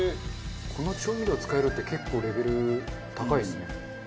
この調味料使えるって結構レベル高いですね。